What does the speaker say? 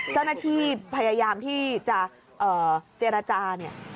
เจ้าหน้าที่พยายามที่จะเจรจาเนี่ย